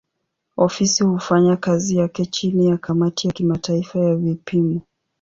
Ofisi hufanya kazi yake chini ya kamati ya kimataifa ya vipimo.